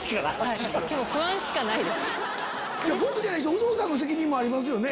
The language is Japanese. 有働さんの責任もありますよね？